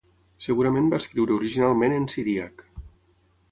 Segurament va escriure originalment en siríac.